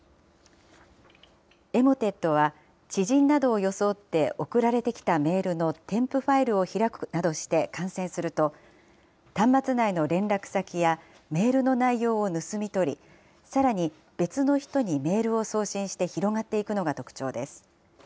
エモテットは、知人などを装って送られてきたメールの添付ファイルを開くなどして感染すると、端末内の連絡先やメールの内容を盗み取り、さらに、別の人にメールを送信して広がっていくのが特徴です。